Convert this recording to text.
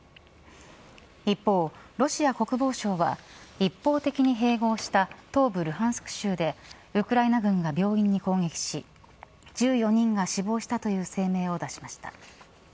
一方、ロシア国防省は一方的に併合した東部ルハンスク州でウクライナ軍が病院に攻撃し１４人が死亡したという声明を出しました。